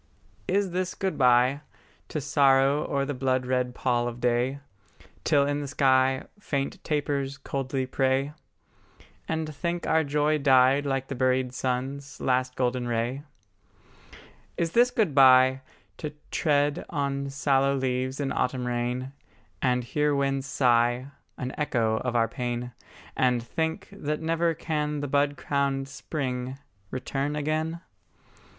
Is this good bye, To sorrow o'er the blood red pall of day, Till in the sky Faint tapers coldly pray; And think our joy died like the buried sun's Last golden ray? Is this good bye, To tread on sallow leaves in autumn rain, And hear winds sigh An echo of our pain; And think that never can the bud crowned spring Return again?